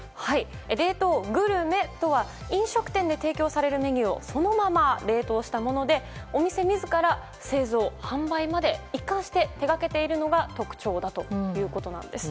冷凍グルメとは飲食店で提供されるメニューをそのまま冷凍したものでお店自ら製造・販売まで一貫して手がけているのが特徴だということです。